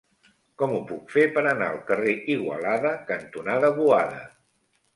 Com ho puc fer per anar al carrer Igualada cantonada Boada?